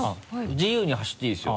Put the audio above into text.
自由に走っていいですよ。